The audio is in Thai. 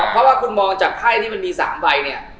เพราะว่าคุณมองจากไพ่ที่มันมี๓ใบเนี่ย